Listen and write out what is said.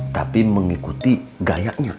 tapi mengikuti gayanya